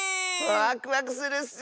ワクワクするッス！